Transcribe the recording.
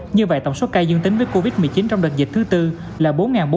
như vậy tổng số ca dương tính với covid một mươi chín trong đợt dịch thứ tư là bốn bốn trăm bảy mươi tám